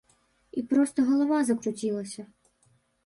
І проста галава закруцілася!